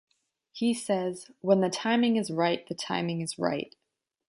He says, "When the timing is right the timing is right.".